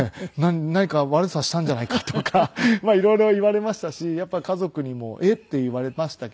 何か悪さしたんじゃないかとか色々言われましたしやっぱり家族にも「えっ？」って言われましたけど。